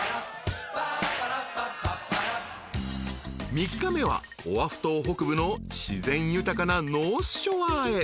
［３日目はオアフ島北部の自然豊かなノースショアへ］